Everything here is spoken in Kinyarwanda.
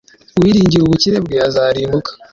uwiringira ubukire bwe, azarimbuka